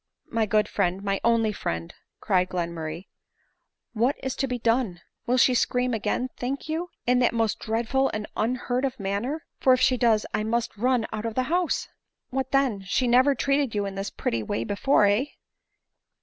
>" My good friend, my only friend," cried Glenmurray, " what is to be done ? Will she scream again think you, in that most dreadful and unheard of manner ? For if she does I must run out of the house." " What, then, she never treated you in this pretty way before, heh